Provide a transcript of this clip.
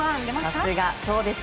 さすが、そうです。